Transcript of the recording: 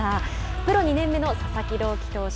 プロ２年目の佐々木朗希投手。